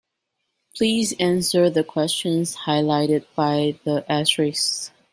Please answer the questions highlighted by the asterisk.